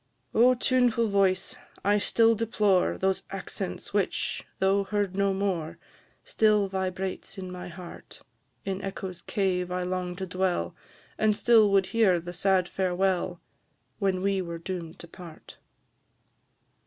Oh, tuneful voice! I still deplore Those accents which, though heard no more, Still vibrate in my heart; In echo's cave I long to dwell, And still would hear the sad farewell, When we were doom'd to part.